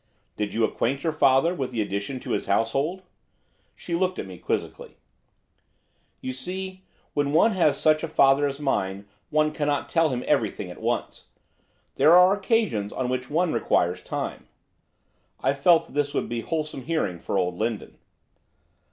'Did you acquaint your father with the addition to his household?' She looked at me, quizzically. 'You see, when one has such a father as mine one cannot tell him everything, at once. There are occasions on which one requires time.' I felt that this would be wholesome hearing for old Lindon.